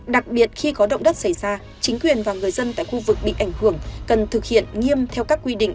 đặc biệt khi có động đất xảy ra chính quyền và người dân tại khu vực bị ảnh hưởng cần thực hiện nghiêm theo các quy định